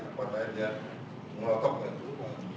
kepada dia melototkan itu